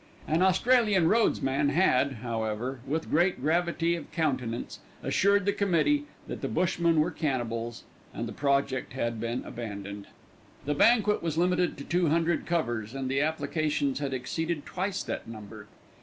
An Australian Rhodes man had, however, with great gravity of countenance, assured the Committee that the Bushmen were cannibals, and the project had been abandoned. The banquet was limited to two hundred covers, and the applications had exceeded twice that number.